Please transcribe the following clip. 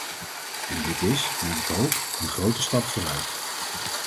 En dit is, naar ik hoop, een grote stap vooruit.